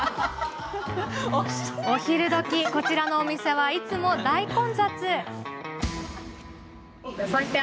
お昼どき、こちらのお店はいつも大混雑。